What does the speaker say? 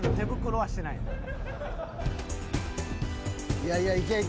いやいやいけいけ。